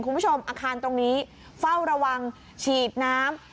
คุณผู้ชมอาคารตรงนี้เฝ้าระวังฉีดน้ำ